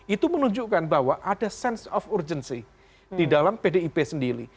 itu menunjukkan bahwa ada sense of urgency di dalam pdip sendiri